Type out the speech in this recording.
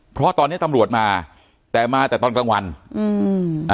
เพราะตอนเนี้ยตำรวจมาแต่มาแต่ตอนกลางวันอืมอ่า